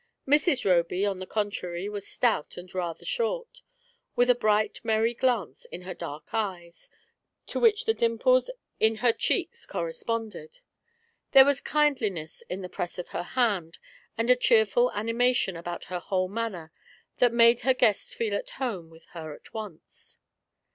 Mrs. Roby, on the contrary, was stout and rather short, with a bright merry glance in her dark eyes, to which the dimples in ner cheeks corresponded; there THE ARRIVAL. was kindlineBS in the press of her hand, and a cheerful animation about her whole manner that made her guests feel at home with her at once.